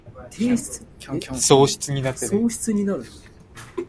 偌